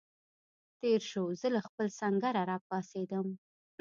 تېر شو، زه له خپل سنګره را پاڅېدم.